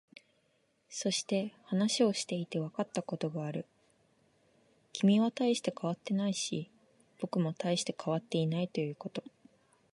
そして、話をしていてわかったことがある。君は大して変わっていないし、僕も大して変わっていないということ。